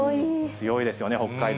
強いですよね、北海道。